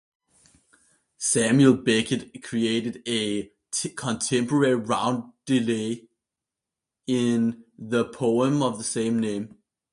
Samuel Beckett created a contemporary roundelay in the poem of the same name.